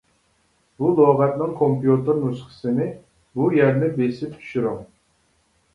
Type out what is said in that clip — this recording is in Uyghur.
بۇ لۇغەتنىڭ كومپيۇتېر نۇسخىسىنى بۇ يەرنى بېسىپ چۈشۈرۈڭ.